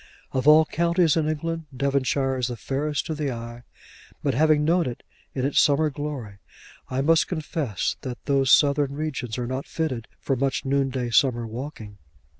Of all counties in England Devonshire is the fairest to the eye; but, having known it in its summer glory, I must confess that those southern regions are not fitted for much noonday summer walking.